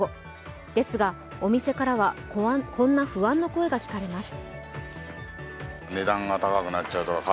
ですが、お店からはこんな不安の声が聞かれます。